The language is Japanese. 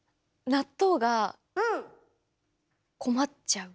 納豆困っちゃう？